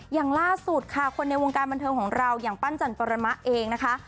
อย่างล่าสุดค่ะคนในวงการบันเทิงของเราอย่างปั้นจันปรมะเองนะคะ